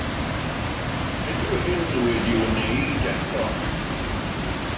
Nid yw hyn wedi ei wneud eto.